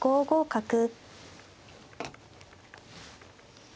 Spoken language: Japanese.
５五角。